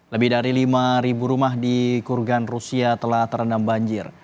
lebih dari lima rumah di kurgan rusia telah terendam banjir